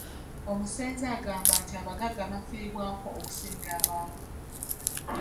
Omusenze agamba nti abagagga bafiibwako okusinga abaavu.